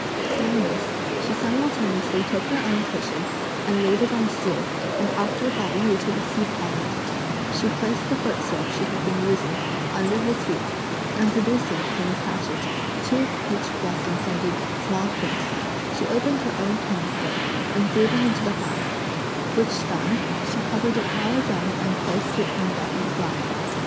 Saying this, she simultaneously took her own cushion and laid it on a stool, and after Pao yü took a seat on it, she placed the footstove she had been using, under his feet; and producing, from a satchet, two peach blossom scented small cakes, she opened her own hand stove and threw them into the fire; which done, she covered it well again and placed it in Pao yü's lap.